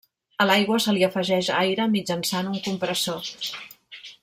A l'aigua se li afegeix aire mitjançant un compressor.